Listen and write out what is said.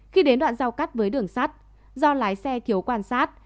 khi đến đoạn giao cắt với đường sắt do lái xe thiếu quan sát